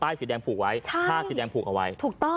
แม่งในป้ายสีแดงผูกเอาไว้